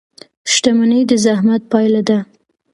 • شتمني د زحمت پایله ده.